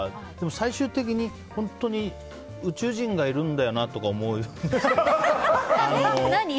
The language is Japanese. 最終的に、本当に宇宙人がいるんだよなとか思うように。